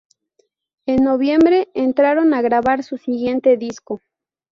En noviembre entraron a grabar su siguiente disco.